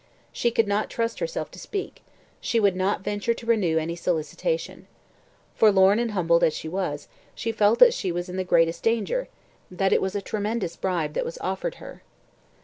She could not trust herself to speak; she would not venture to renew any solicitation. Forlorn and humbled as she was, she felt that she was in the greatest danger; that it was a tremendous bribe that was offered to her.